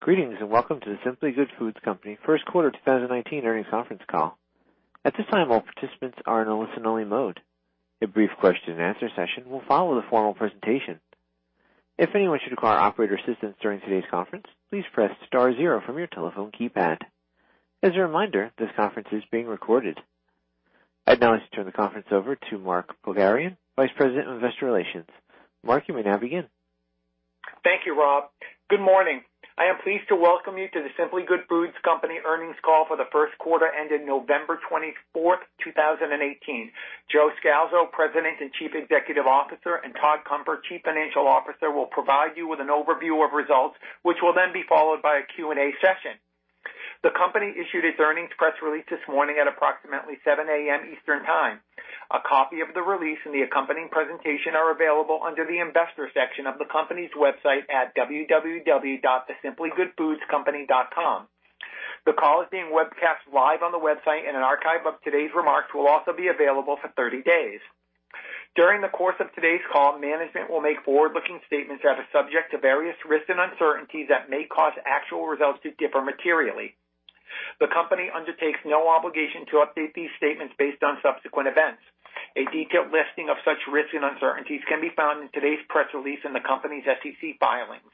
Greetings. Welcome to The Simply Good Foods Company first quarter 2019 earnings conference call. At this time, all participants are in a listen-only mode. A brief question-and-answer session will follow the formal presentation. If anyone should require operator assistance during today's conference, please press star zero from your telephone keypad. As a reminder, this conference is being recorded. I'd now like to turn the conference over to Mark Pogharian, Vice President of Investor Relations. Mark, you may now begin. Thank you, Rob. Good morning. I am pleased to welcome you to The Simply Good Foods Company earnings call for the first quarter ending November 24, 2018. Joseph Scalzo, President and Chief Executive Officer, and Todd Cunfer, Chief Financial Officer, will provide you with an overview of results, which will then be followed by a Q&A session. The company issued its earnings press release this morning at approximately 7:00 A.M. Eastern Time. A copy of the release and the accompanying presentation are available under the investors section of the company's website at www.thesimplygoodfoodcompany.com. The call is being webcast live on the website, and an archive of today's remarks will also be available for 30-days. During the course today's call, management will make forward-looking statements that are subject to various risks and uncertainties that may cause actual result differ materially. The company undertakes no obligation to update these statements based on subsequent events. A detailed listing of such risks and uncertainties can be found in today's press release in the company's SEC filings.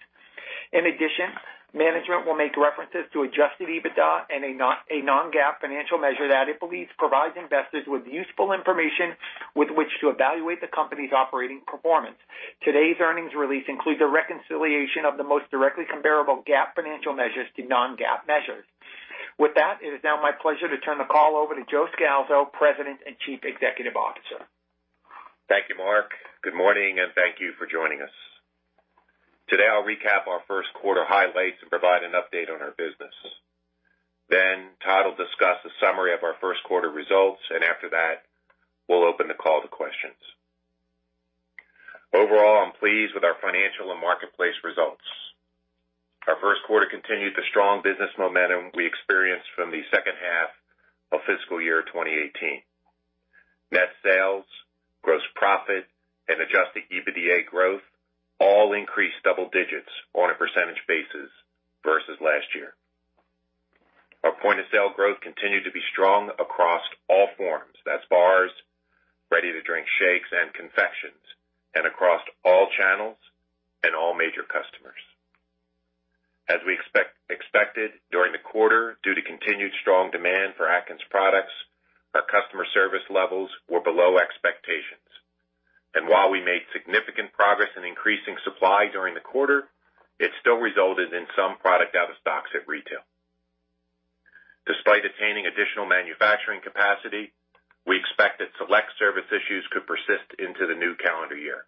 In addition, management will make references to adjusted EBITDA and a non-GAAP financial measure that it believes provides investors with useful information with which to evaluate the company's operating performance. Today's earnings release includes a reconciliation of the most directly comparable GAAP financial measures to non-GAAP measures. With that, it is now my pleasure to turn the call over to Joseph Scalzo, President and Chief Executive Officer. Thank you, Mark. Good morning. Thank you for joining us. Today, I'll recap our first quarter highlights and provide an update on our business. Todd will discuss a summary of our first quarter results, and after that, we'll open the call to questions. Overall, I'm pleased with our financial and marketplace results. Our first quarter continued the strong business momentum we experienced from the second half of fiscal year 2018. Net sales, gross profit, and adjusted EBITDA growth all increased double digits on a percentage basis versus last year. Our point-of-sale growth continued to be strong across all forms. That's bars, ready-to-drink shakes, and confections, and across all channels and all major customers. As we expected during the quarter, due to continued strong demand for Atkins products, our customer service levels were below expectations. While we made significant progress in increasing supply during the quarter, it still resulted in some product out of stocks at retail. Despite attaining additional manufacturing capacity, we expect that select service issues could persist into the new calendar year.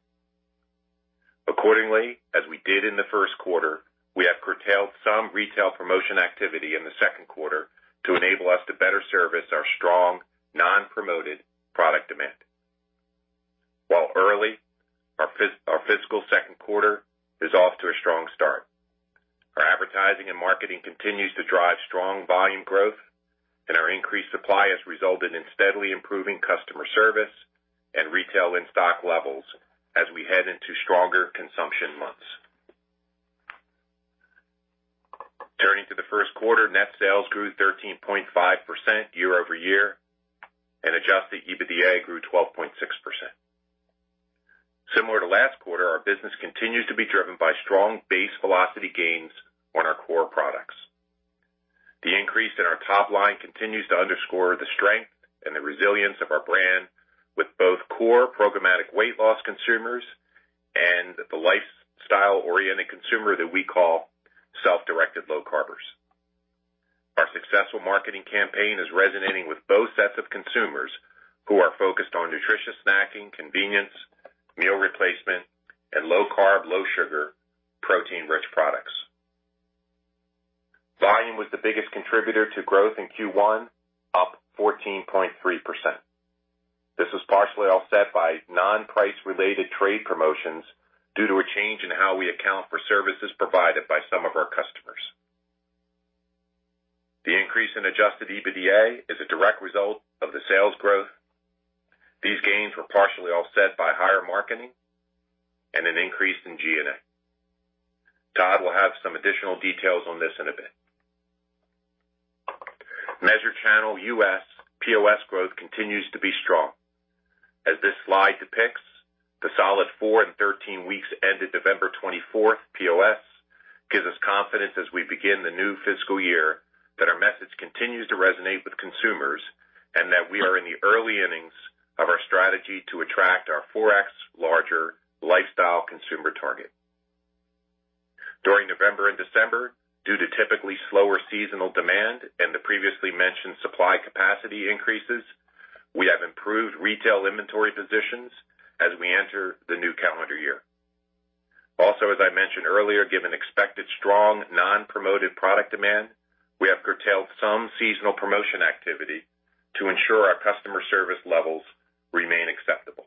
Accordingly, as we did in the first quarter, we have curtailed some retail promotion activity in the second quarter to enable us to better service our strong non-promoted product demand. While early, our fiscal second quarter is off to a strong start. Our advertising and marketing continues to drive strong volume growth, and our increased supply has resulted in steadily improving customer service and retail in-stock levels as we head into stronger consumption months. Turning to the first quarter, net sales grew 13.5% year-over-year, and adjusted EBITDA grew 12.6%. Similar to last quarter, our business continues to be driven by strong base velocity gains on our core products. The increase in our top line continues to underscore the strength and the resilience of our brand with both core programmatic weight loss consumers and the lifestyle-oriented consumer that we call self-directed low carbers. Our successful marketing campaign is resonating with both sets of consumers who are focused on nutritious snacking, convenience, meal replacement, and low-carb, low-sugar, protein-rich products. Volume was the biggest contributor to growth in Q1, up 14.3%. This was partially offset by non-price related trade promotions due to a change in how we account for services provided by some of our customers. The increase in adjusted EBITDA is a direct result of the sales growth. These gains were partially offset by higher marketing and an increase in G&A. Todd will have some additional details on this in a bit. Measured channel U.S. POS growth continues to be strong. As this slide depicts, the solid four in 13 weeks ended December 24th POS gives us confidence as we begin the new fiscal year that our message continues to resonate with consumers and that we are in the early innings of our strategy to attract our 4x larger lifestyle consumer target. During November and December, due to typically slower seasonal demand and the previously mentioned supply capacity increases, we have improved retail inventory positions as we enter the new calendar year. Also, as I mentioned earlier, given expected strong non-promoted product demand, we have curtailed some seasonal promotion activity to ensure our customer service levels remain acceptable.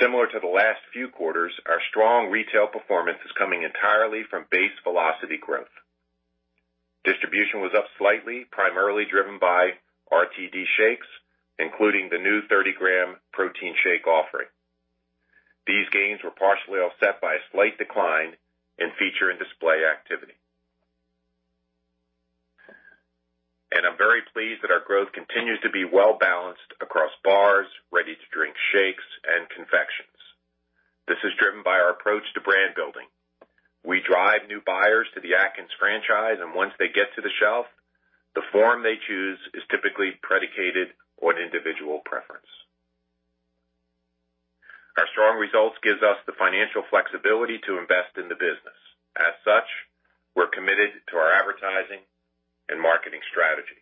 Similar to the last few quarters, our strong retail performance is coming entirely from base velocity growth. Distribution was up slightly, primarily driven by RTD shakes, including the new 30-gram protein shake offering. These gains were partially offset by a slight decline in feature and display activity. I'm very pleased that our growth continues to be well-balanced across bars, ready-to-drink shakes, and confections. This is driven by our approach to brand building. We drive new buyers to the Atkins franchise, and once they get to the shelf, the form they choose is typically predicated on individual preference. Our strong results gives us the financial flexibility to invest in the business. As such, we're committed to our advertising and marketing strategy.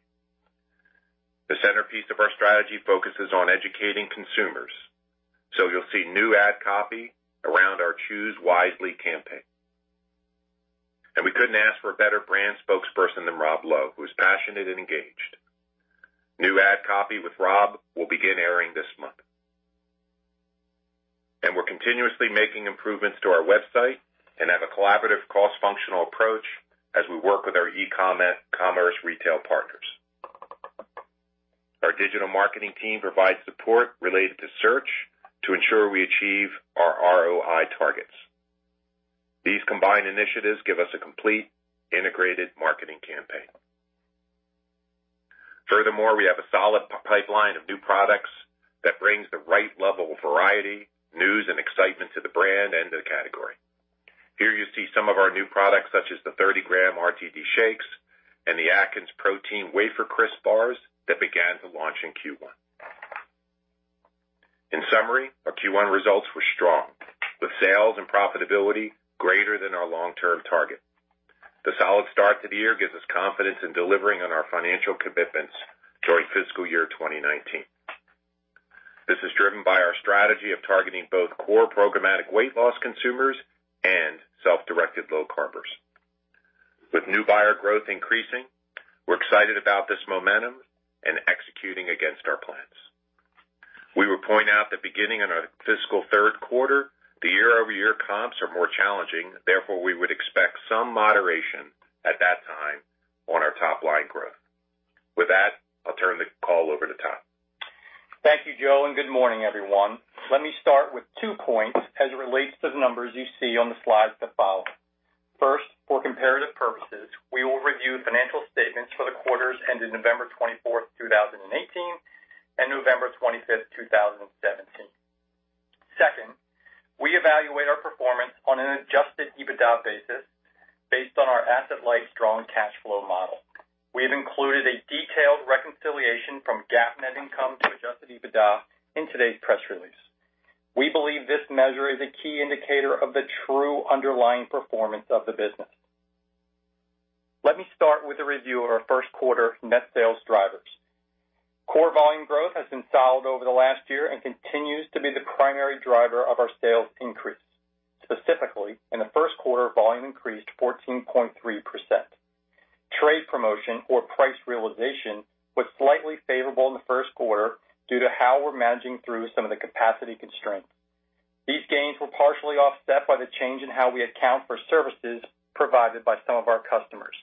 The centerpiece of our strategy focuses on educating consumers. You'll see new ad copy around our Choose Wisely campaign. We couldn't ask for a better brand spokesperson than Rob Lowe, who's passionate and engaged. New ad copy with Rob will begin airing this month. We're continuously making improvements to our website and have a collaborative cross-functional approach as we work with our e-commerce retail partners. Our digital marketing team provides support related to search to ensure we achieve our ROI targets. These combined initiatives give us a complete integrated marketing campaign. We have a solid pipeline of new products that brings the right level of variety, news, and excitement to the brand and to the category. Here you see some of our new products, such as the 30-gram RTD shakes and the Atkins Protein Wafer Crisps bars that began to launch in Q1. In summary, our Q1 results were strong, with sales and profitability greater than our long-term target. The solid start to the year gives us confidence in delivering on our financial commitments during fiscal year 2019. This is driven by our strategy of targeting both core programmatic weight loss consumers and self-directed low carbers. With new buyer growth increasing, we're excited about this momentum and executing against our plans. We would point out that beginning in our fiscal third quarter, the year-over-year comps are more challenging, therefore, we would expect some moderation at that time on our top-line growth. With that, I'll turn the call over to Todd. Thank you, Joe, and good morning, everyone. Let me start with two points as it relates to the numbers you see on the slides that follow. First, for comparative purposes, we will review financial statements for the quarters ended November 24th, 2018, and November 25th, 2017. Second, we evaluate our performance on an adjusted EBITDA basis based on our asset-light strong cash flow model. We have included a detailed reconciliation from GAAP net income to adjusted EBITDA in today's press release. We believe this measure is a key indicator of the true underlying performance of the business. Let me start with a review of our first quarter net sales drivers. Core volume growth has been solid over the last year and continues to be the primary driver of our sales increase. Specifically, in the first quarter, volume increased 14.3%. Trade promotion or price realization was slightly favorable in the first quarter due to how we're managing through some of the capacity constraints. These gains were partially offset by the change in how we account for services provided by some of our customers.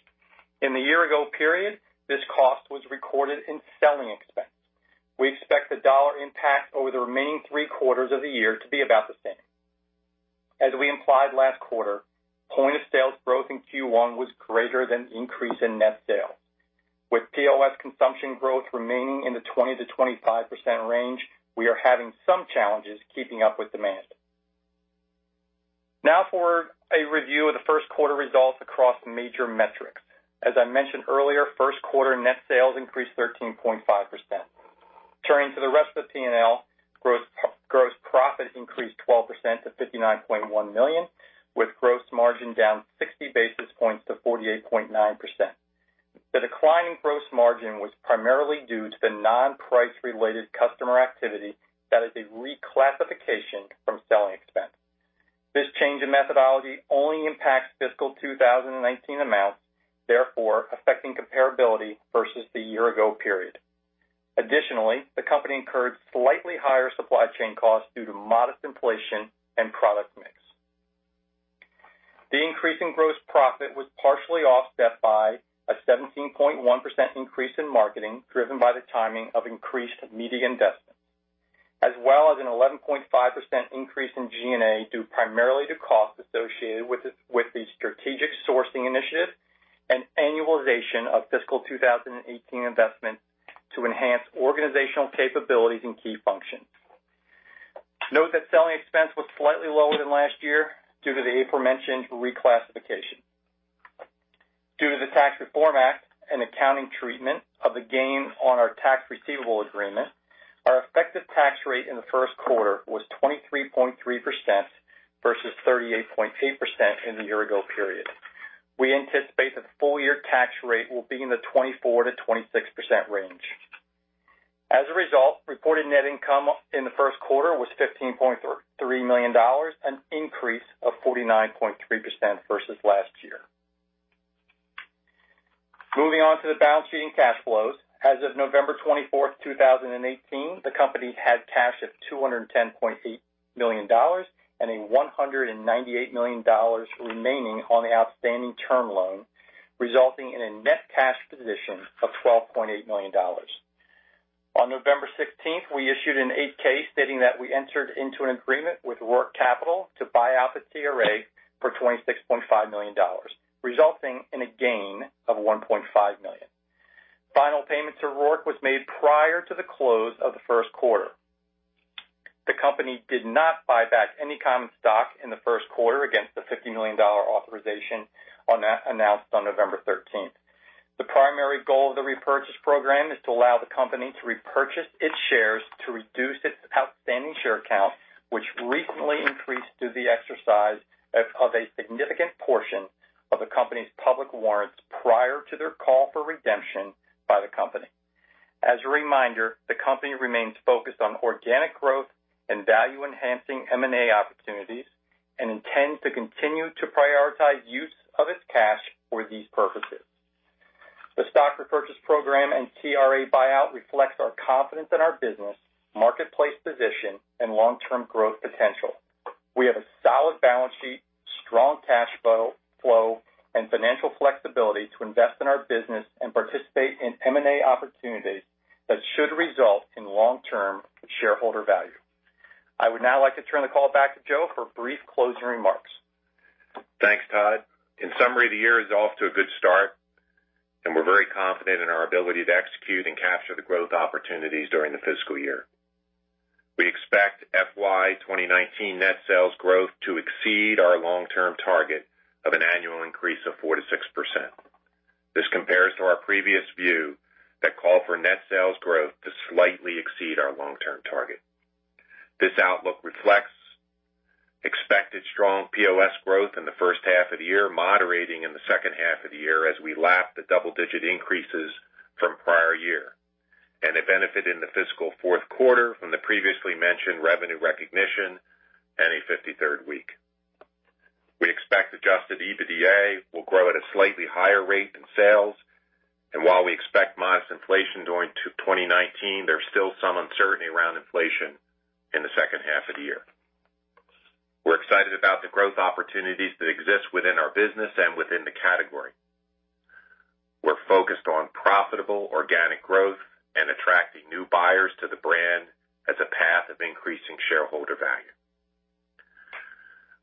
In the year ago period, this cost was recorded in selling expense. We expect the dollar impact over the remaining three quarters of the year to be about the same. As we implied last quarter, point-of-sales growth in Q1 was greater than the increase in net sales. With POS consumption growth remaining in the 20%-25% range, we are having some challenges keeping up with demand. For a review of the first quarter results across major metrics. As I mentioned earlier, first quarter net sales increased 13.5%. Turning to the rest of the P&L, gross profit increased 12% to $59.1 million with gross margin down 60 basis points to 48.9%. The decline in gross margin was primarily due to the non-price related customer activity that is a reclassification from selling expense. This change in methodology only impacts fiscal 2019 amounts, therefore affecting comparability versus the year ago period. Additionally, the company incurred slightly higher supply chain costs due to modest inflation and product mix. The increase in gross profit was partially offset by a 17.1% increase in marketing, driven by the timing of increased media investment, as well as an 11.5% increase in G&A due primarily to costs associated with the strategic sourcing initiative and annualization of fiscal 2018 investments to enhance organizational capabilities and key functions. Note that selling expense was slightly lower than last year due to the aforementioned reclassification. Due to the Tax Reform Act and accounting treatment of the gain on our Tax Receivable Agreement, our effective tax rate in the first quarter was 23.3% versus 38.8% in the year ago period. We anticipate the full year tax rate will be in the 24%-26% range. As a result, reported net income in the first quarter was $15.3 million, an increase of 49.3% versus last year. Moving on to the balance sheet and cash flows. As of November 24, 2018, the company had cash of $210.8 million and a $198 million remaining on the outstanding term loan, resulting in a net cash position of $12.8 million. On November 16, we issued an 8-K stating that we entered into an agreement with Roark Capital to buy out the TRA for $26.5 million, resulting in a gain of $1.5 million. Final payment to Roark was made prior to the close of the first quarter. The company did not buy back any common stock in the first quarter against the $50 million authorization announced on November 13. The primary goal of the repurchase program is to allow the company to repurchase its shares to reduce its outstanding share count, which recently increased due the exercise of a significant portion of the company's public warrants prior to their call for redemption by the company. As a reminder, the company remains focused on organic growth and value-enhancing M&A opportunities and intends to continue to prioritize use of its cash for these purposes. The stock repurchase program and TRA buyout reflects our confidence in our business, marketplace position, and long-term growth potential. We have a solid balance sheet, strong cash flow, and financial flexibility to invest in our business and participate in M&A opportunities that should result in long-term shareholder value. I would now like to turn the call back to Joe for brief closing remarks. Thanks, Todd. In summary, the year is off to a good start, and we're very confident in our ability to execute and capture the growth opportunities during the fiscal year. We expect FY 2019 net sales growth to exceed our long-term target of an annual increase of 4%-6%. This compares to our previous view that called for net sales growth to slightly exceed our long-term target. This outlook reflects expected strong POS growth in the first half of the year, moderating in the second half of the year as we lap the double-digit increases from prior year, and a benefit in the fiscal fourth quarter from the previously mentioned revenue recognition and a 53rd week. We expect adjusted EBITDA will grow at a slightly higher rate than sales. While we expect modest inflation during 2019, there's still some uncertainty around inflation in the second half of the year. We're excited about the growth opportunities that exist within our business and within the category. We're focused on profitable organic growth and attracting new buyers to the brand as a path of increasing shareholder value.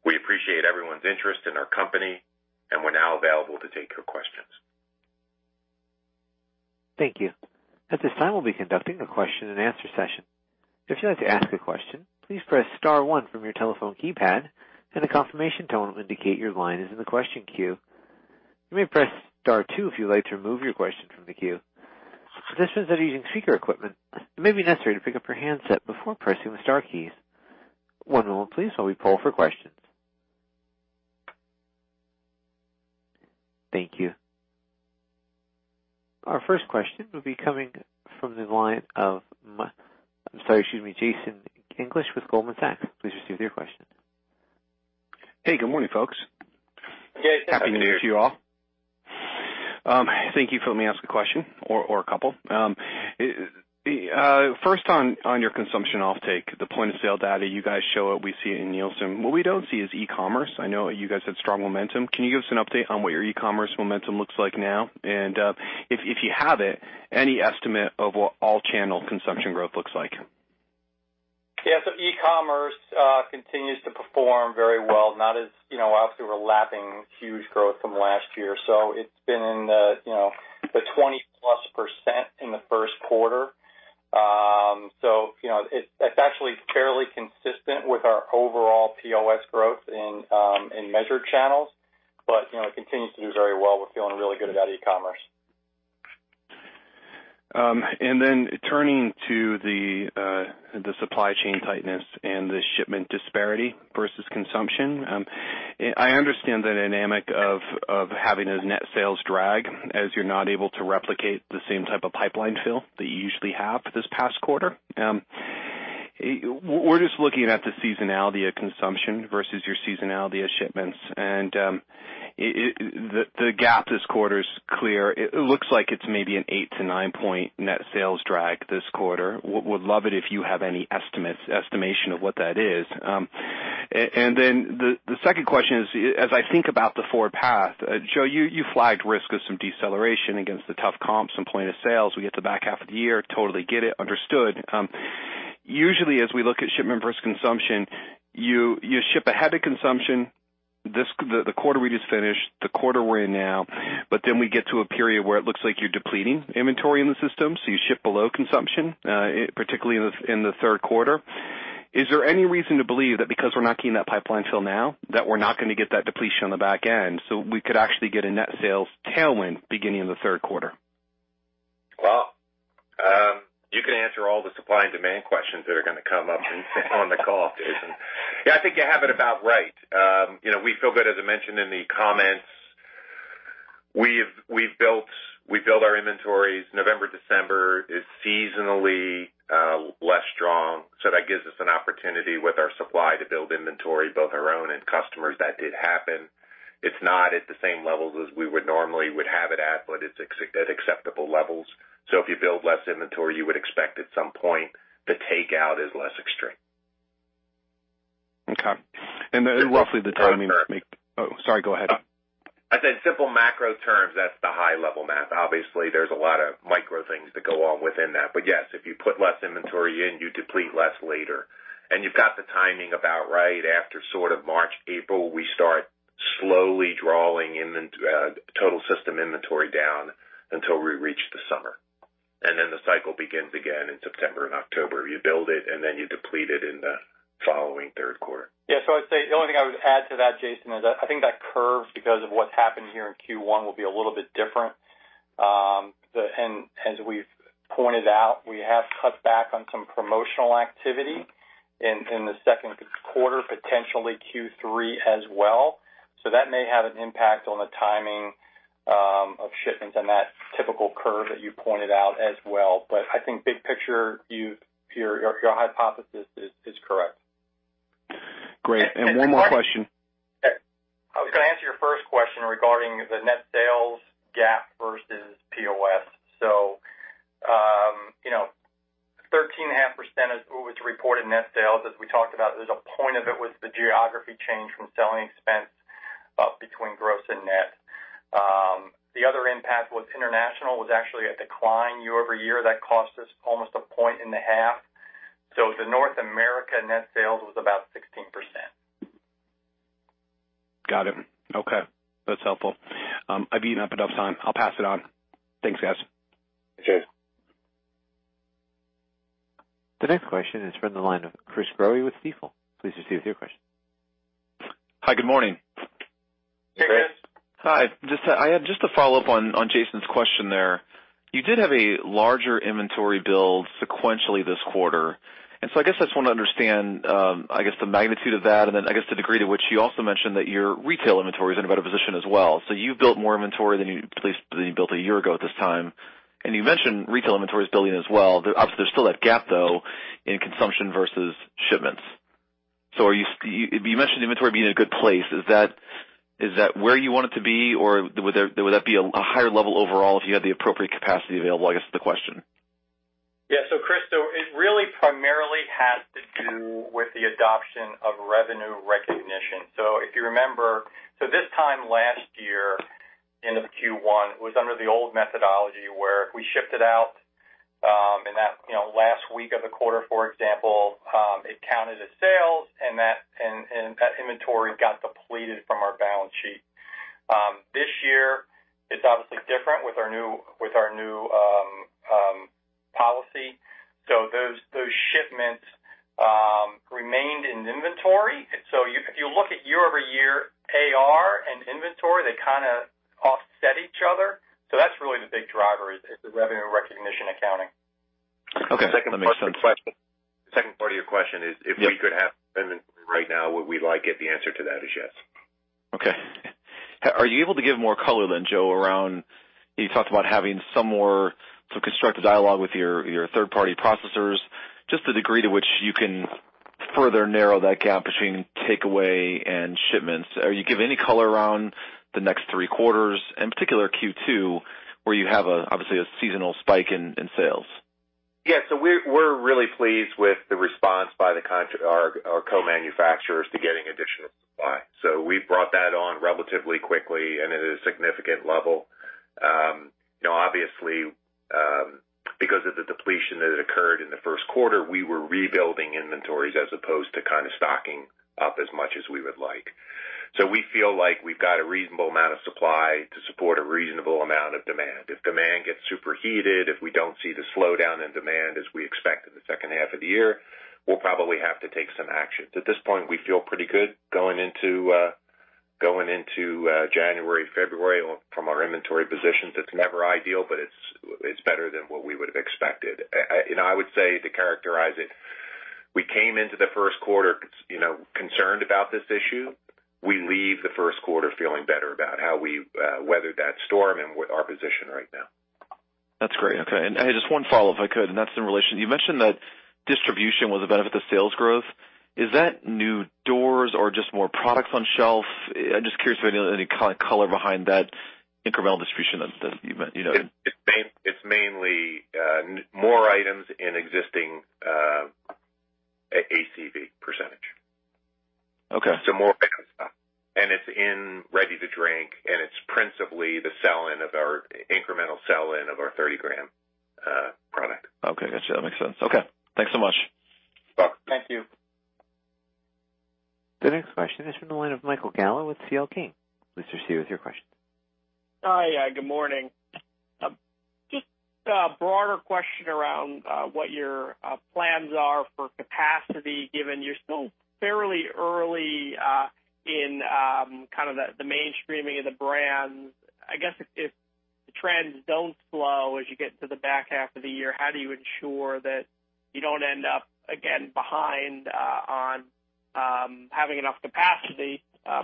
We appreciate everyone's interest in our company, and we're now available to take your questions. Thank you. At this time, we'll be conducting a question-and-answer session. If you'd like to ask a question, please press star one from your telephone keypad, and a confirmation tone will indicate your line is in the question queue. You may press star two if you'd like to remove your question from the queue. For those using speaker equipment, it may be necessary to pick up your handset before pressing the star keys. One moment please while we poll for questions. Thank you. Our first question will be coming from the line of Jason English with Goldman Sachs. Please proceed with your question. Hey, good morning, folks. Hey, Jason. Happy new year to you all. Thank you for letting me ask a question, or a couple. First, on your consumption offtake, the point-of-sale data you guys show, we see it in Nielsen. What we don't see is e-commerce. I know you guys have strong momentum. Can you give us an update on what your e-commerce momentum looks like now? If you have it, any estimate of what all channel consumption growth looks like? Yeah. E-commerce continues to perform very well. Obviously, we're lapping huge growth from last year. It's been in the 20%+ in the first quarter. It's actually fairly consistent with our overall POS growth in measured channels. It continues to do very well. We're feeling really good about e-commerce. Turning to the supply chain tightness and the shipment disparity versus consumption. I understand the dynamic of having a net sales drag as you're not able to replicate the same type of pipeline fill that you usually have this past quarter. We're just looking at the seasonality of consumption versus your seasonality of shipments. The gap this quarter is clear. It looks like it's maybe an 8-9 point net sales drag this quarter. Would love it if you have any estimation of what that is. The second question is, as I think about the forward path, Joe, you flagged risk of some deceleration against the tough comps and point-of-sale. We get to the back half of the year, totally get it, understood. Usually, as we look at shipment versus consumption, you ship ahead of consumption, the quarter we just finished, the quarter we're in now, but then we get to a period where it looks like you're depleting inventory in the system. You ship below consumption, particularly in the third quarter. Is there any reason to believe that because we're not keying that pipeline fill now, that we're not going to get that depletion on the back end, so we could actually get a net sales tailwind beginning in the third quarter? Well, you can answer all the supply and demand questions that are going to come up on the call, Jason. Yeah, I think you have it about right. We feel good. As I mentioned in the comments, we've built our inventories. November, December is seasonally less strong. That gives us an opportunity with our supply to build inventory, both our own and customers. That did happen. It's not at the same levels as we would normally would have it at, but it's at acceptable levels. If you build less inventory, you would expect at some point the takeout is less extreme. Roughly the timing. Oh, sorry, go ahead. I said simple macro terms, that's the high level math. Obviously, there's a lot of micro things that go on within that. Yes, if you put less inventory in, you deplete less later. You've got the timing about right after sort of March, April, we start slowly drawing total system inventory down until we reach the summer. The cycle begins again in September and October. You build it, and then you deplete it in the following third quarter. I'd say the only thing I would add to that, Jason, is I think that curve, because of what's happened here in Q1, will be a little bit different. As we've pointed out, we have cut back on some promotional activity in the second quarter, potentially Q3 as well. That may have an impact on the timing of shipments and that typical curve that you pointed out as well. I think big picture, your hypothesis is correct. Great. One more question. I was going to answer your first question regarding the net sales GAAP versus POS. 13.5% was reported net sales. As we talked about, there's a point of it was the geography change from selling expense up between gross and net. The other impact was international was actually a decline year-over-year that cost us almost 1.5 points. The North America net sales was about 16%. Got it. Okay. That's helpful. I've eaten up enough time. I'll pass it on. Thanks, guys. Okay. The next question is from the line of Chris Growe with Stifel. Please proceed with your question. Hi, good morning. Hey, Chris. Hi, I have just a follow-up on Jason's question there. You did have a larger inventory build sequentially this quarter, and so I just want to understand the magnitude of that, and then the degree to which you also mentioned that your retail inventory is in a better position as well. You've built more inventory than you built a year ago at this time, and you mentioned retail inventory is building as well. Obviously, there's still that gap, though, in consumption versus shipments. You mentioned inventory being in a good place. Is that where you want it to be, or would that be a higher level overall if you had the appropriate capacity available, is the question? Yeah. Chris, it really primarily has to do with the adoption of revenue recognition. If you remember, this time last year, end of Q1, it was under the old methodology where if we shipped it out in that last week of the quarter, for example, it counted as sales and that inventory got depleted from our balance sheet. This year it's obviously different with our new policy. Those shipments remained in inventory. If you look at year-over-year AR and inventory, they kind of offset each other. That's really the big driver is the revenue recognition accounting. Okay. That makes sense. The second part of your question is if we could have inventory right now, would we like it? The answer to that is yes. Okay. Are you able to give more color then, Joe, around, you talked about having some more constructive dialogue with your third-party processors, just the degree to which you can further narrow that gap between takeaway and shipments. Can you give any color around the next three quarters, in particular Q2, where you have obviously a seasonal spike in sales? Yeah. We're really pleased with the response by our co-manufacturers to getting additional supply. We brought that on relatively quickly and at a significant level. Obviously, because of the depletion that had occurred in the first quarter, we were rebuilding inventories as opposed to kind of stocking up as much as we would like. We feel like we've got a reasonable amount of supply to support a reasonable amount of demand. If demand gets super heated, if we don't see the slowdown in demand as we expect in the second half of the year, we'll probably have to take some actions. At this point, we feel pretty good going into January, February from our inventory positions. It's never ideal, but it's better than what we would have expected. I would say to characterize it, we came into the first quarter concerned about this issue. We leave the first quarter feeling better about how we weathered that storm and our position right now. That's great. Okay. Just one follow-up, if I could, and that's in relation. You mentioned that distribution was a benefit to sales growth. Is that new doors or just more products on shelf? I'm just curious if any kind of color behind that incremental distribution that you meant. It's mainly more items in existing ACV percentage. Okay. More stuff. It's in ready-to-drink, and it's principally the sell-in of our incremental sell-in of our 30-gram product. Okay, got you. That makes sense. Okay. Thanks so much. You're welcome. Thank you. The next question is from the line of Michael Gallo with CL King. Please proceed with your question. Hi. Good morning. Just a broader question around what your plans are for capacity, given you're still fairly early in kind of the mainstreaming of the brands. I guess if the trends don't slow as you get to the back half of the year, how do you ensure that you don't end up again behind on having enough capacity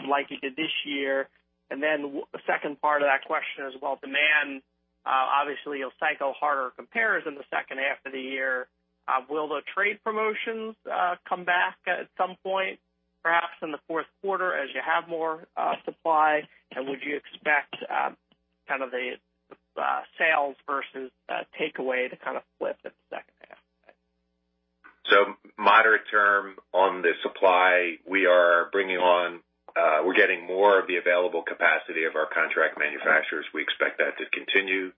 like you did this year? The second part of that question as well, demand, obviously you'll cycle harder compares in the second half of the year. Will the trade promotions come back at some point, perhaps in the fourth quarter as you have more supply? And would you expect kind of the sales versus takeaway to kind of flip at some point? Moderate term on the supply we are bringing on, we're getting more of the available capacity of our contract manufacturers. We expect that to continue.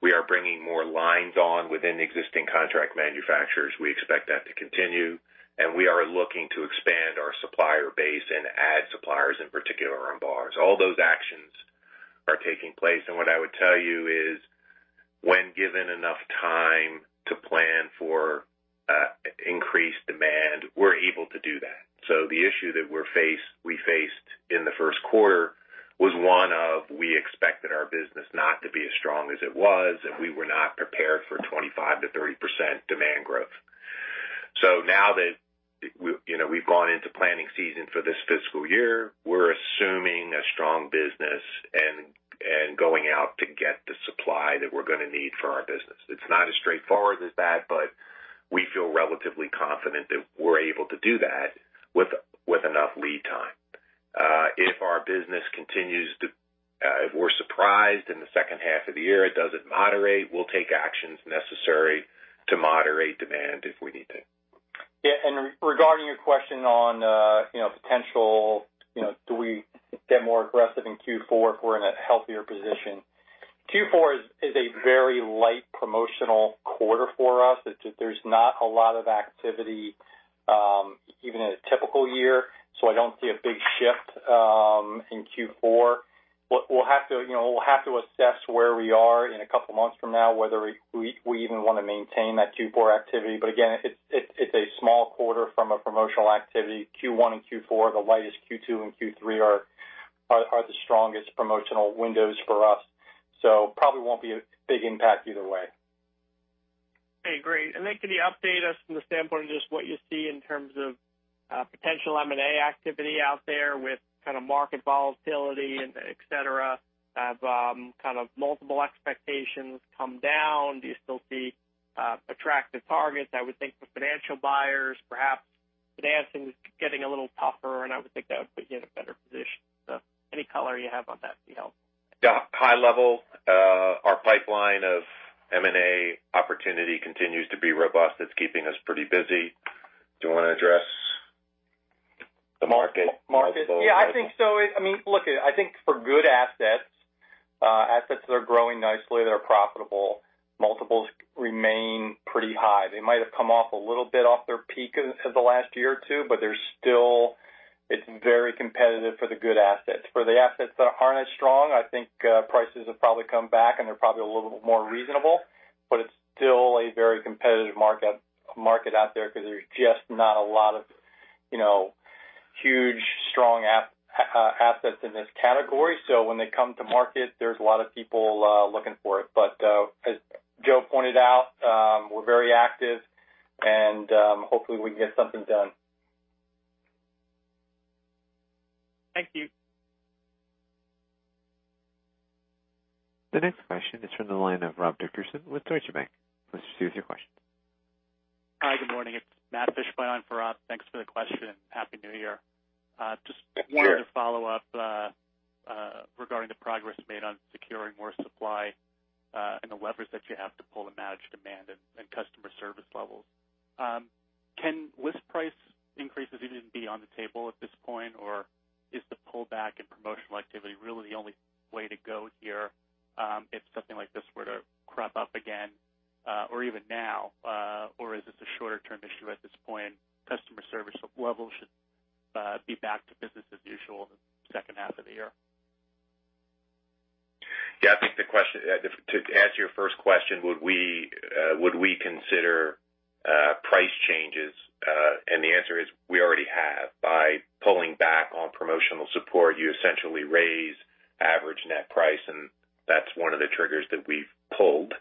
We are bringing more lines on within existing contract manufacturers. We expect that to continue, and we are looking to expand our supplier base and add suppliers, in particular on bars. All those actions are taking place. What I would tell you is when given enough time to plan for increased demand, we're able to do that. The issue that we faced in the first quarter was one of, we expected our business not to be as strong as it was, and we were not prepared for 25%-30% demand growth. Now that we've gone into planning season for this fiscal year, we're assuming a strong business and going out to get the supply that we're going to need for our business. It's not as straightforward as that, but we feel relatively confident that we're able to do that with enough lead time. If our business, if we're surprised in the second half of the year, it doesn't moderate, we'll take actions necessary to moderate demand if we need to. Yeah. Regarding your question on potential, do we get more aggressive in Q4 if we're in a healthier position? Q4 is a very light promotional quarter for us. There's not a lot of activity, even in a typical year. I don't see a big shift in Q4. We'll have to assess where we are in a couple of months from now, whether we even want to maintain that Q4 activity. Again, it's a small quarter from a promotional activity, Q1 and Q4 are the lightest. Q2 and Q3 are the strongest promotional windows for us. Probably won't be a big impact either way. Okay, great. Can you update us from the standpoint of just what you see in terms of potential M&A activity out there with kind of market volatility and et cetera? Have kind of multiple expectations come down? Do you still see attractive targets? I would think for financial buyers, perhaps financing is getting a little tougher, and I would think that would put you in a better position. Any color you have on that would be helpful. Yeah. High level, our pipeline of M&A opportunity continues to be robust. It's keeping us pretty busy. Do you want to address the market multiple? Market. Yeah, I think so. Look, I think for good assets that are growing nicely, that are profitable, multiples remain pretty high. They might have come off a little bit off their peak in the last year or two, but they're still very competitive for the good assets. For the assets that aren't as strong, I think prices have probably come back, and they're probably a little bit more reasonable, but it's still a very competitive market out there because there's just not a lot of huge, strong assets in this category. When they come to market, there's a lot of people looking for it. As Joe pointed out, we're very active and hopefully we can get something done. Thank you. The next question is from the line of Rob Dickerson with Deutsche Bank. Please proceed with your question. Hi, good morning. It's Matt Fishbein on for Rob. Thanks for the question. Happy New Year. Yeah. Just wanted to follow up regarding the progress made on securing more supply and the levers that you have to pull to manage demand and customer service levels. Can list price increases even be on the table at this point, or is the pullback in promotional activity really the only way to go here if something like this were to crop up again or even now? Is this a shorter-term issue at this point, customer service levels should be back to business as usual in the second half of the year? Yeah. To answer your first question, would we consider price changes? The answer is we already have. By pulling back on promotional support, you essentially raise average net price, and that's one of the triggers that we've pulled.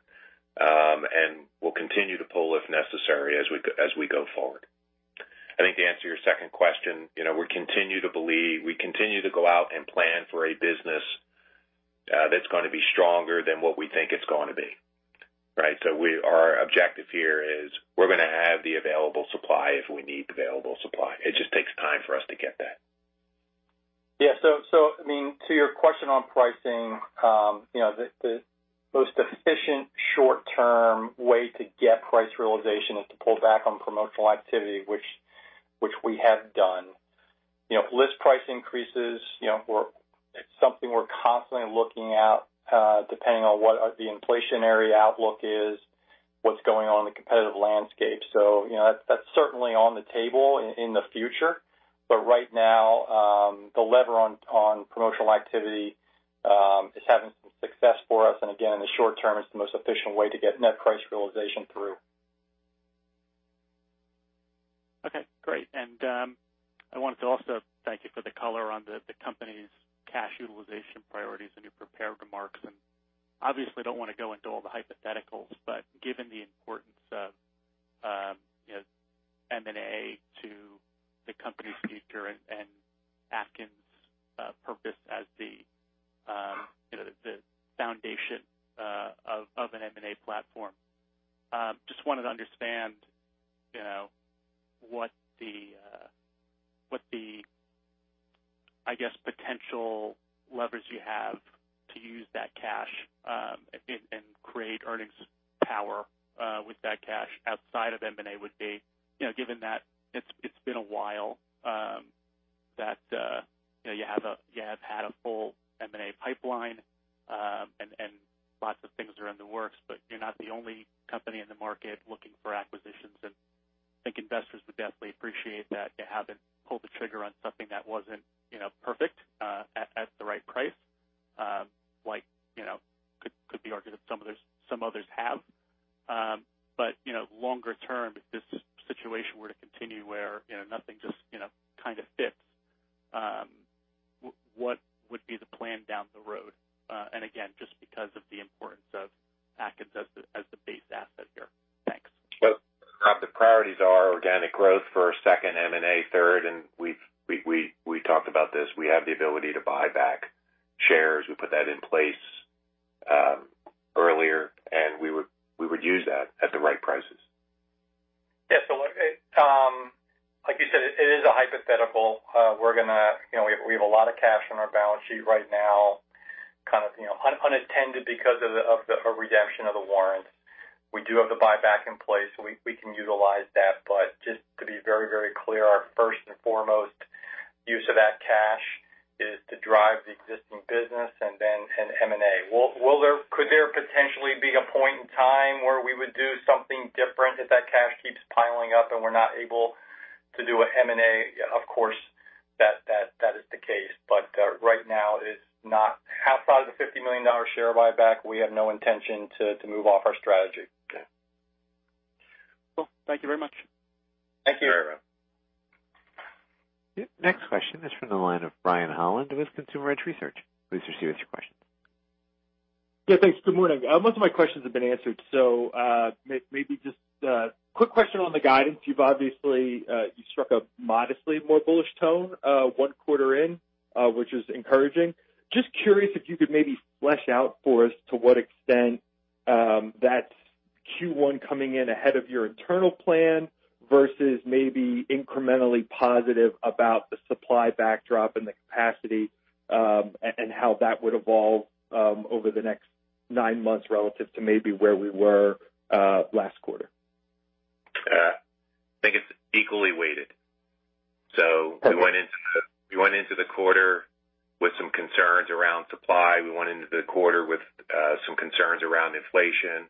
We'll continue to pull if necessary as we go forward. I think to answer your second question, we continue to go out and plan for a business that's going to be stronger than what we think it's going to be. Right? Our objective here is we're going to have the available supply if we need the available supply. It just takes time for us to get that. Yeah. To your question on pricing, the most efficient short-term way to get price realization is to pull back on promotional activity, which we have done. List price increases, it's something we're constantly looking at, depending on what the inflationary outlook is, what's going on in the competitive landscape. That's certainly on the table in the future. Right now, the lever on promotional activity is having some success for us. Again, in the short term, it's the most efficient way to get net price realization through. Okay, great. I wanted to also thank you for the color on the company's cash utilization priorities in your prepared remarks. Obviously don't want to go into all the hypotheticals, but given the importance of M&A to the company's future and Atkins' purpose as the foundation of an M&A platform, just wanted to understand what I guess, potential levers you have to use that cash and create earnings power with that cash outside of M&A would be, given that it's been a while, that you have had a full M&A pipeline and lots of things are in the works, but you're not the only company in the market looking for acquisitions. I think investors would definitely appreciate that you haven't pulled the trigger on something that wasn't perfect at the right price, like could be argued that some others have. Longer term, if this situation were to continue where nothing just kind of fits, what would be the plan down the road? Again, just because of the importance of Atkins as the base asset here. Thanks. Well, Rob, the priorities are organic growth first, second M&A third. We talked about this. We have the ability to buy back shares. We put that in place earlier. We would use that at the right prices. Yeah. Like you said, it is a hypothetical. We have a lot of cash on our balance sheet right now, kind of unattended because of the redemption of the warrants. We do have the buyback in place. We can utilize that. Just to be very clear, our first and foremost use of that cash is to drive the existing business and then M&A. Could there potentially be a point in time where we would do something different if that cash keeps piling up and we're not able to do an M&A? Of course, that is the case. Right now, outside of the $50 million share buyback, we have no intention to move off our strategy. Okay. Cool. Thank you very much. Thank you. Thank you very much. Next question is from the line of Brian Holland with Consumer Edge Research. Please proceed with your questions. Yeah, thanks. Good morning. Most of my questions have been answered. Maybe just a quick question on the guidance. You've obviously struck a modestly more bullish tone one quarter in, which is encouraging. Just curious if you could maybe flesh out for us to what extent that's Q1 coming in ahead of your internal plan versus maybe incrementally positive about the supply backdrop and the capacity, and how that would evolve over the next nine months relative to maybe where we were last quarter. I think it's equally weighted. Okay. We went into the quarter with some concerns around supply. We went into the quarter with some concerns around inflation.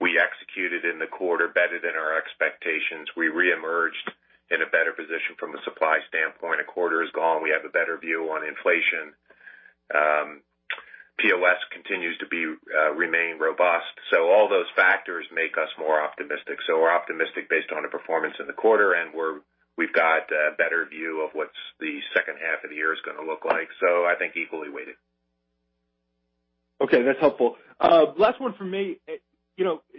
We executed in the quarter better than our expectations. We reemerged in a better position from a supply standpoint. A quarter is gone. We have a better view on inflation. POS continues to remain robust. All those factors make us more optimistic. We're optimistic based on the performance in the quarter, and we've got a better view of what's the second half of the year is going to look like. I think equally weighted. Okay, that's helpful. Last one from me.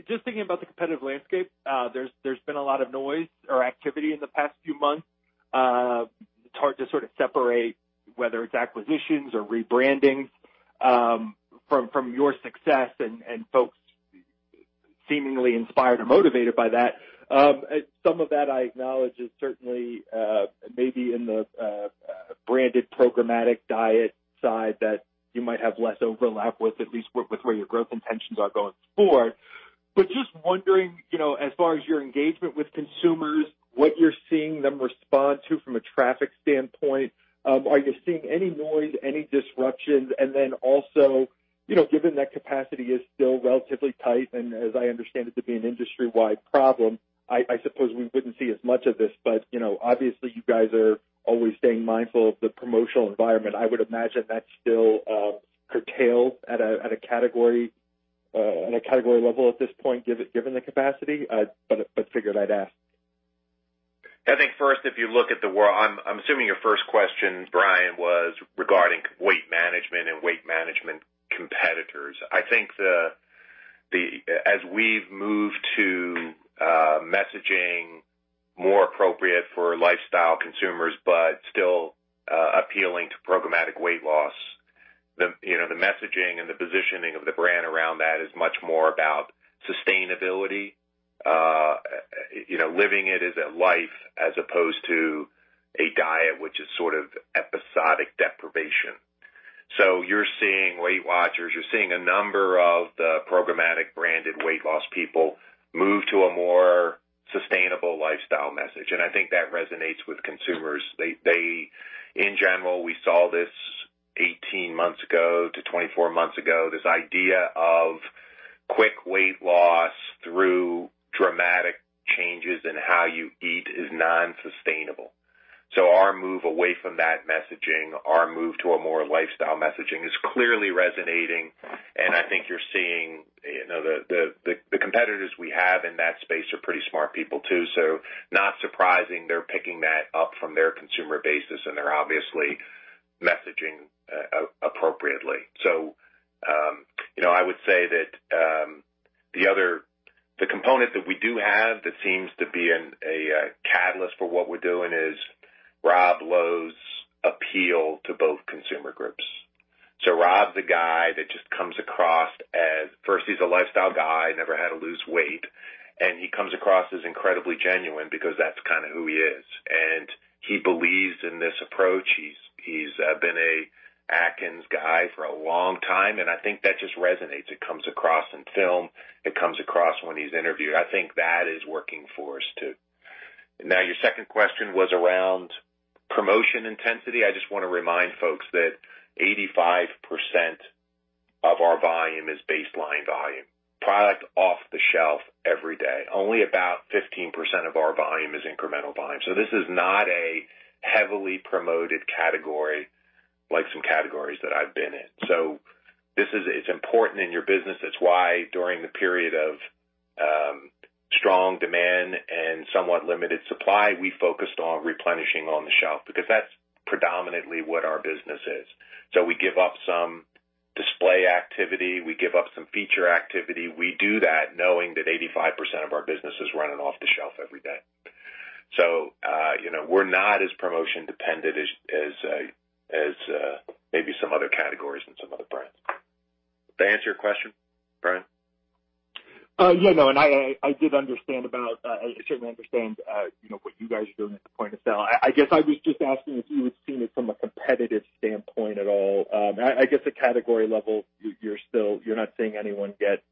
Just thinking about the competitive landscape, there's been a lot of noise or activity in the past few months. It's hard to sort of separate whether it's acquisitions or rebrandings from your success and folks seemingly inspired or motivated by that. Some of that I acknowledge is certainly maybe in the branded programmatic diet side that you might have less overlap with, at least with where your growth intentions are going forward. Just wondering, as far as your engagement with consumers, what you're seeing them respond to from a traffic standpoint, are you seeing any noise, any disruptions? Then also, given that capacity is still relatively tight, and as I understand it to be an industry-wide problem, I suppose we wouldn't see as much of this, but obviously, you guys are always staying mindful of the promotional environment. I would imagine that still curtails at a category level at this point, given the capacity. Figured I'd ask. I think first, if you look at I'm assuming your first question, Brian, was regarding weight management and weight management competitors. I think as we've moved to messaging more appropriate for lifestyle consumers but still appealing to programmatic weight loss, the messaging and the positioning of the brand around that is much more about sustainability. Living it as a life as opposed to a diet, which is sort of episodic deprivation. You're seeing Weight Watchers, you're seeing a number of the programmatic branded weight loss people move to a more sustainable lifestyle message. I think that resonates with consumers. In general, we saw this 18-months ago to 24-months ago. This idea of quick weight loss through dramatic changes in how you eat is non-sustainable. Our move away from that messaging, our move to a more lifestyle messaging is clearly resonating. I think you're seeing the competitors we have in that space are pretty smart people too. Not surprising they're picking that up from their consumer base and they're obviously messaging appropriately. I would say that the component that we do have that seems to be a catalyst for what we're doing is Rob Lowe's appeal. A guy that just comes across as, first, he's a lifestyle guy, never had to lose weight. He comes across as incredibly genuine because that's kind of who he is. He believes in this approach. He's been an Atkins guy for a long time, and I think that just resonates. It comes across in film. It comes across when he's interviewed. I think that is working for us, too. Your second question was around promotion intensity. I just want to remind folks that 85% of our volume is baseline volume, product off the shelf every day. Only about 15% of our volume is incremental volume. This is not a heavily promoted category like some categories that I've been in. It's important in your business. That's why during the period of strong demand and somewhat limited supply, we focused on replenishing on the shelf because that's predominantly what our business is. We give up some display activity, we give up some feature activity. We do that knowing that 85% of our business is running off the shelf every day. We're not as promotion dependent as maybe some other categories and some other brands. Did I answer your question, Brian? Yeah, no, I certainly understand what you guys are doing at the point of sale. I guess I was just asking if you had seen it from a competitive standpoint at all. I guess at category level, you're not seeing anyone get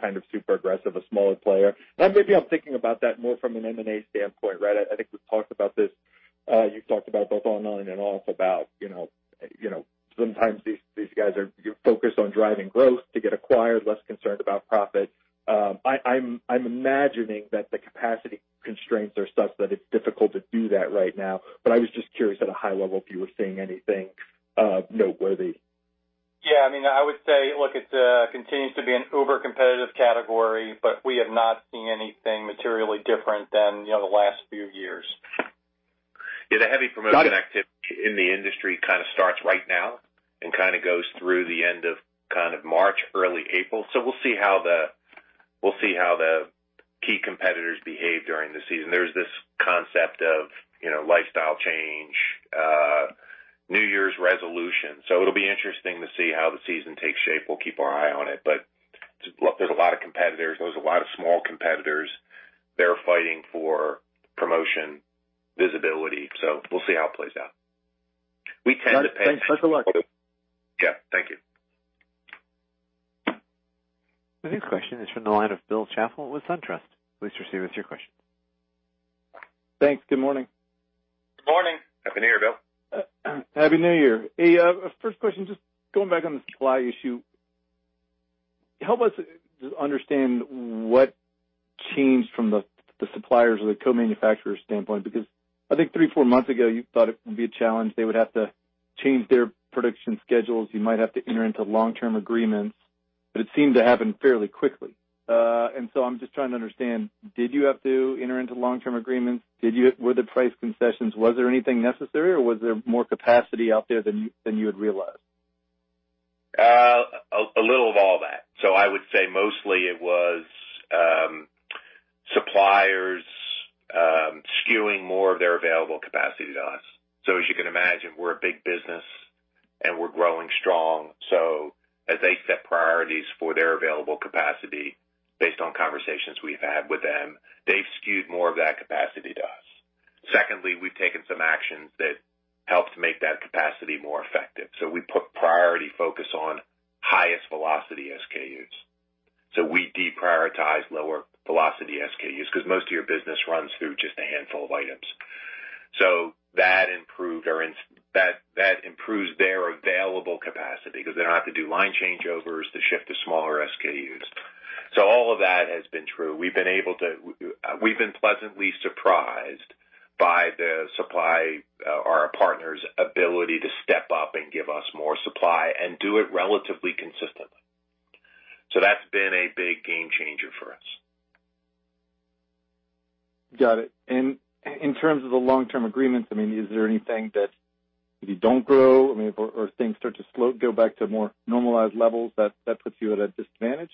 kind of super aggressive, a smaller player. Maybe I'm thinking about that more from an M&A standpoint, right? I think we've talked about this. You've talked about both on and off about sometimes these guys are focused on driving growth to get acquired, less concerned about profit. I'm imagining that the capacity constraints are such that it's difficult to do that right now. I was just curious at a high level if you were seeing anything noteworthy. Yeah, I would say, look, it continues to be an uber competitive category, we have not seen anything materially different than the last few years. The heavy promotion activity in the industry kind of starts right now and kind of goes through the end of March, early April. We'll see how the key competitors behave during the season. There's this concept of lifestyle change, New Year's resolution. It'll be interesting to see how the season takes shape. We'll keep our eye on it. There's a lot of competitors. There's a lot of small competitors. They're fighting for promotion visibility. We'll see how it plays out. We tend to pay attention to it. Thanks. Best of luck. Thank you. The next question is from the line of Bill Chappell with SunTrust. Please proceed with your question. Thanks. Good morning. Good morning. Happy New Year, Bill. Happy New Year. First question, just going back on the supply issue. Help us understand what changed from the suppliers or the co-manufacturer's standpoint, because I think three, four months ago, you thought it would be a challenge. They would have to change their production schedules. You might have to enter into long-term agreements, but it seemed to happen fairly quickly. I'm just trying to understand, did you have to enter into long-term agreements? Were there price concessions? Was there anything necessary or was there more capacity out there than you had realized? A little of all that. I would say mostly it was suppliers skewing more of their available capacity to us. As you can imagine, we're a big business and we're growing strong. As they set priorities for their available capacity, based on conversations we've had with them, they've skewed more of that capacity to us. Secondly, we've taken some actions that helped make that capacity more effective. We put priority focus on highest velocity SKUs. We deprioritized lower velocity SKUs because most of your business runs through just a handful of items. That improves their available capacity because they don't have to do line changeovers to shift to smaller SKUs. All of that has been true. We've been pleasantly surprised by our partners' ability to step up and give us more supply and do it relatively consistently. That's been a big game changer for us. Got it. In terms of the long-term agreements, is there anything that if you don't grow or things start to go back to more normalized levels, that puts you at a disadvantage?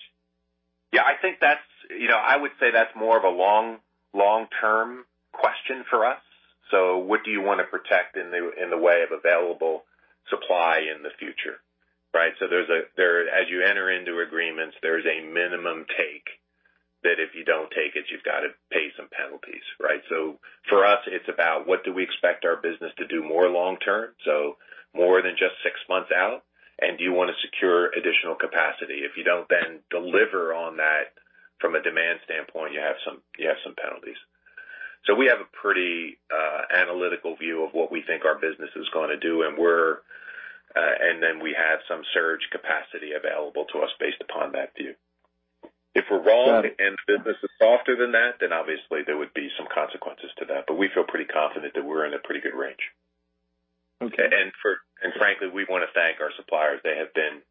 I would say that's more of a long-term question for us. What do you want to protect in the way of available supply in the future, right? As you enter into agreements, there's a minimum take that if you don't take it, you've got to pay some penalties, right? For us, it's about what do we expect our business to do more long-term, more than just six months out, and do you want to secure additional capacity? If you don't then deliver on that from a demand standpoint, you have some penalties. We have a pretty analytical view of what we think our business is going to do, and then we have some surge capacity available to us based upon that view. If we're wrong and business is softer than that, then obviously there would be some consequences to that. We feel pretty confident that we're in a pretty good range. Okay. Frankly, we want to thank our suppliers. They have been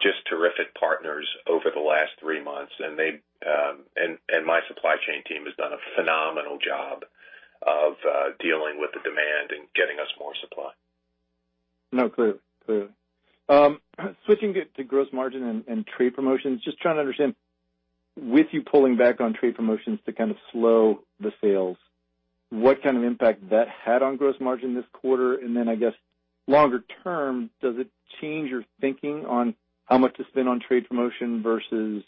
just terrific partners over the last three months. My supply chain team has done a phenomenal job of dealing with the demand and getting us more supply. No, clear. Switching to gross margin and trade promotions, just trying to understand. With you pulling back on trade promotions to kind of slow the sales, what kind of impact that had on gross margin this quarter? Then, I guess, longer term, does it change your thinking on how much to spend on trade promotion versus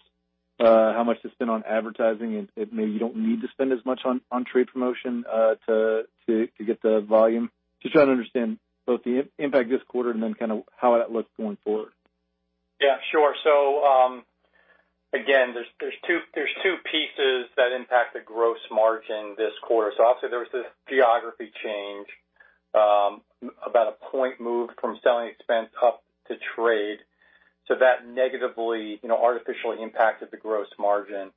how much to spend on advertising, and maybe you don't need to spend as much on trade promotion to get the volume? Just trying to understand both the impact this quarter and then how that looks going forward. Yeah, sure. Again, there's two pieces that impact the gross margin this quarter. Obviously, there was this geography change, about a point moved from selling expense up to trade. That negatively artificially impacted the gross margin.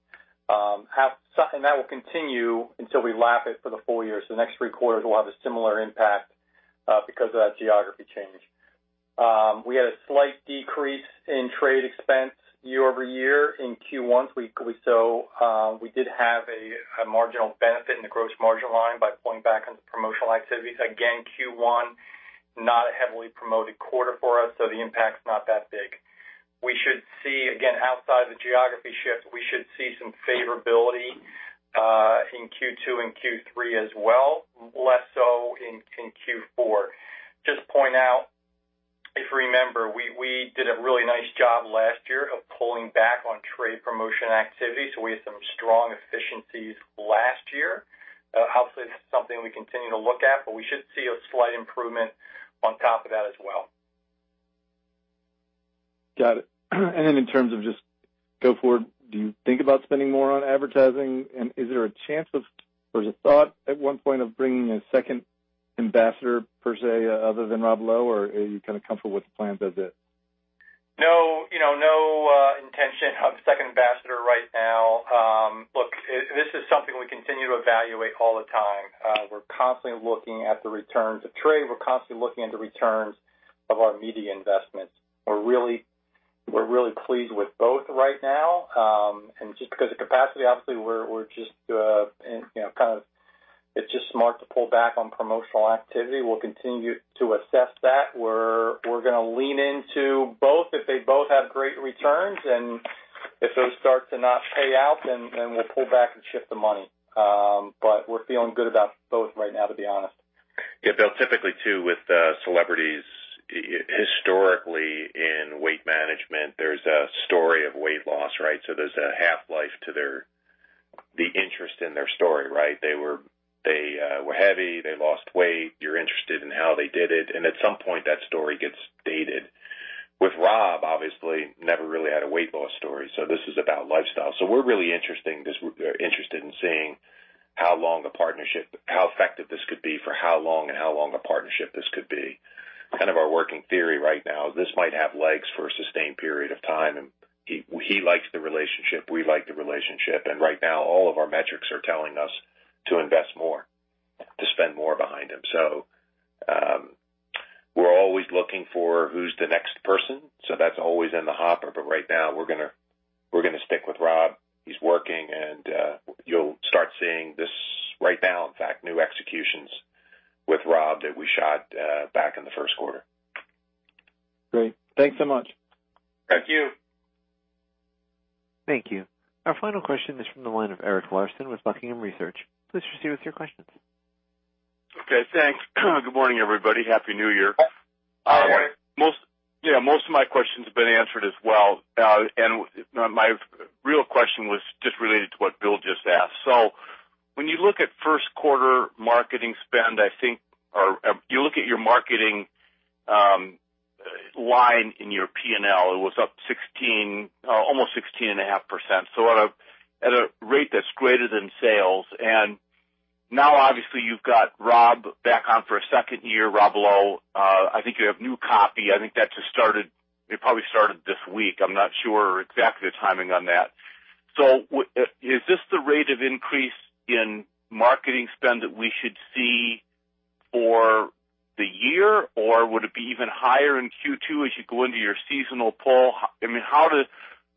That will continue until we lap it for the full year. The next three quarters will have a similar impact, because of that geography change. We had a slight decrease in trade expense year-over-year in Q1. We did have a marginal benefit in the gross margin line by pulling back on the promotional activities. Again, Q1, not a heavily promoted quarter for us, so the impact's not that big. Again, outside the geography shift, we should see some favorability, in Q2 and Q3 as well, less so in Q4. Just point out, if you remember, we did a really nice job last year of pulling back on trade promotion activity, so we had some strong efficiencies last year. Obviously, this is something we continue to look at, but we should see a slight improvement on top of that as well. Got it. In terms of just go forward, do you think about spending more on advertising? Is there a chance of, or is it thought at one point of bringing a second ambassador per se, other than Rob Lowe, or are you kind of comfortable with the plans as is? No intention of a second ambassador right now. Look, this is something we continue to evaluate all the time. We're constantly looking at the returns of trade. We're constantly looking at the returns of our media investments. We're really pleased with both right now. Just because of capacity, obviously it's just smart to pull back on promotional activity. We'll continue to assess that. We're going to lean into both if they both have great returns and if those start to not pay out, then we'll pull back and shift the money. We're feeling good about both right now, to be honest. Yeah, Bill, typically too, with celebrities historically in weight management, there's a story of weight loss, right? There's a half-life to the interest in their story, right? They were heavy, they lost weight. You're interested in how they did it. At some point, that story gets dated. With Rob, obviously, never really had a weight loss story. This is about lifestyle. We're really interested in seeing how long the partnership, how effective this could be for how long and how long a partnership this could be. Kind of our working theory right now is this might have legs for a sustained period of time, he likes the relationship, we like the relationship, right now, all of our metrics are telling us to invest more, to spend more behind him. We're always looking for who's the next person. That's always in the hopper. Right now, we're going to stick with Rob. He's working, and you'll start seeing this right now, in fact, new executions with Rob that we shot back in the first quarter. Great. Thanks so much. Thank you. Thank you. Our final question is from the line of Eric Larson with Buckingham Research. Please proceed with your questions. Okay, thanks. Good morning, everybody. Happy New Year. Good morning. Yeah, most of my questions have been answered as well. My real question was just related to what Bill just asked. When you look at first quarter marketing spend, I think, or if you look at your marketing line in your P&L, it was up almost 16.5%, so at a rate that's greater than sales. Now obviously you've got Rob back on for a second year, Rob Lowe. I think you have new copy. I think that just started. It probably started this week. I'm not sure exactly the timing on that. Is this the rate of increase in marketing spend that we should see for the year, or would it be even higher in Q2 as you go into your seasonal pull?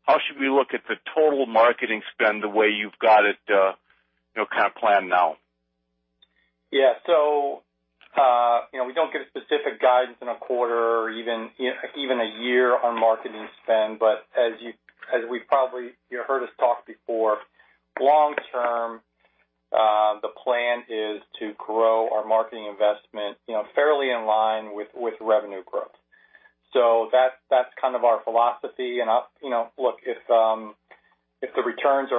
How should we look at the total marketing spend the way you've got it kind of planned now? Yeah. We don't give specific guidance in a quarter or even a year on marketing spend. As you heard us talk before, long term, the plan is to grow our marketing investment fairly in line with revenue growth. That's kind of our philosophy. Look, if the returns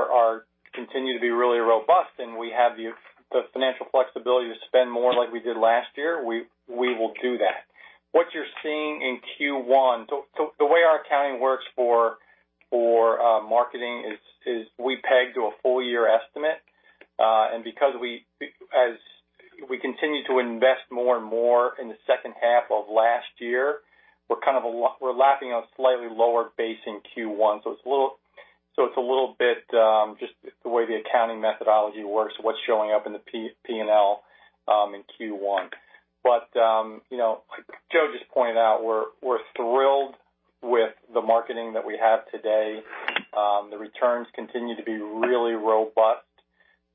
continue to be really robust and we have the financial flexibility to spend more like we did last year, we will do that. What you're seeing in Q1, the way our accounting works for marketing is we peg to a full year estimate. Because as we continue to invest more and more in the second half of last year, we're lapping a slightly lower base in Q1. It's a little bit, just the way the accounting methodology works, what's showing up in the P&L, in Q1. Joe just pointed out, we're thrilled with the marketing that we have today. The returns continue to be really robust,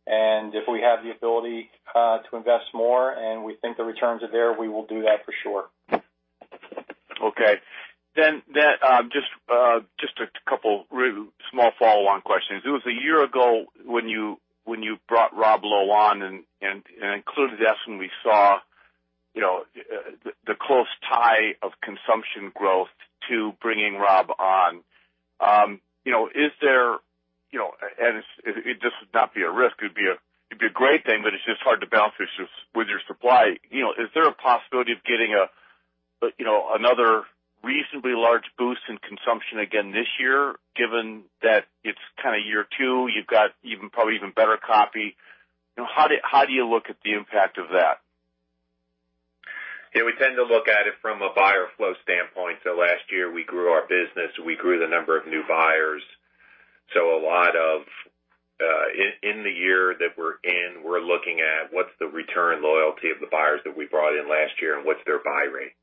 and if we have the ability to invest more and we think the returns are there, we will do that for sure. Okay. Just a couple of small follow-on questions. It was a year ago when you brought Rob Lowe on and included that when we saw the close tie of consumption growth to bringing Rob on. This would not be a risk, it'd be a great thing, but it's just hard to balance with your supply. Is there a possibility of getting another reasonably large boost in consumption again this year, given that it's year two, you've got probably even better copy? How do you look at the impact of that? Yeah, we tend to look at it from a buyer flow standpoint. Last year, we grew our business, we grew the number of new buyers. In the year that we're in, we're looking at what's the return loyalty of the buyers that we brought in last year and what's their buy rate.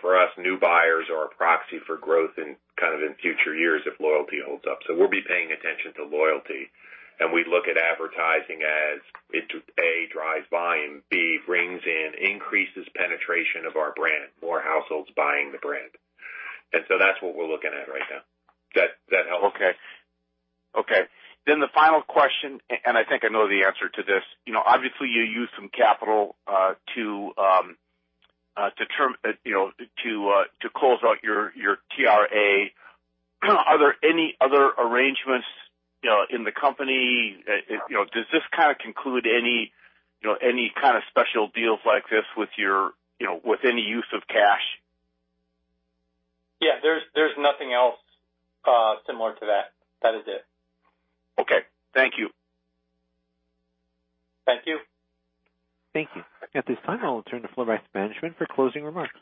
For us, new buyers are a proxy for growth in future years if loyalty holds up. We'll be paying attention to loyalty. We look at advertising as it, A, drives volume, B, brings in increases penetration of our brand, more households buying the brand. That's what we're looking at right now. Does that help? Okay. The final question, and I think I know the answer to this. Obviously, you used some capital to close out your TRA. Are there any other arrangements in the company? Does this conclude any kind of special deals like this with any use of cash? Yeah, there's nothing else similar to that. That is it. Okay. Thank you. Thank you. Thank you. At this time, I will turn the floor back to management for closing remarks.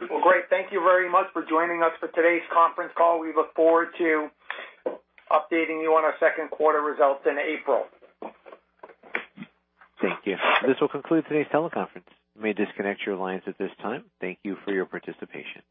Well, great. Thank you very much for joining us for today's conference call. We look forward to updating you on our second quarter results in April. Thank you. This will conclude today's teleconference. You may disconnect your lines at this time. Thank you for your participation.